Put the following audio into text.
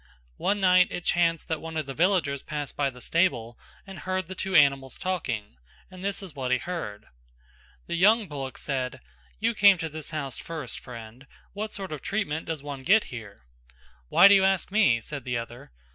One night it chanced that one of the villagers passed by the stable and hear the two animals talking and this is what he heard. The young bullock said "You came to this house first, friend; what sort of treatment does one get here?" "Why do you ask me?" said the other.